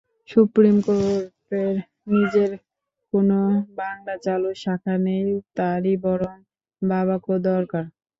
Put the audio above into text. Supreme কোর্টের নিজের কোনো বাংলা চালুর শাখা নেই, তারই বরং বাবাকো দরকার।